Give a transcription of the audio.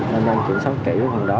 nên là kiểm soát kỹ với phần đó